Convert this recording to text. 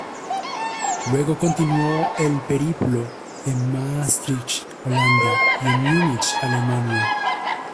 Luego continuó el periplo en Maastricht, Holanda y en Münich, Alemania.